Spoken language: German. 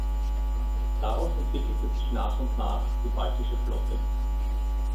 Daraus entwickelte sich nach und nach die Baltische Flotte.